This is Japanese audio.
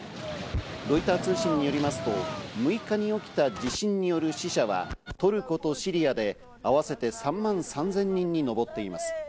ロイター通信によりますと、６日に起きた地震による死者はトルコとシリアで合わせて３万３０００人に上っています。